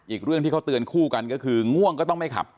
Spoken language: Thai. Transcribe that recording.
อีกเรื่องที่เขาเตือนคู่กันก็คือง่วงก็ต้องไม่ขับ